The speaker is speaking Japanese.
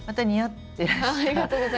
ありがとうございます。